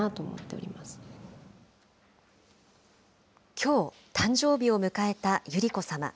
きょう、誕生日を迎えた百合子さま。